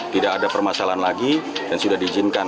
tidak ada permasalahan lagi dan sudah diizinkan